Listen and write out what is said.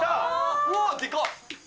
うわっ、でかっ。